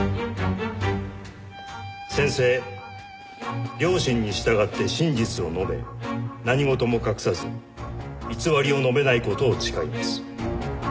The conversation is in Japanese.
「宣誓良心に従って真実を述べ何事も隠さず偽りを述べない事を誓います」